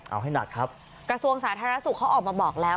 เอาให้หนักครับกระทรวงสาธารณสุขเขาออกมาบอกแล้ว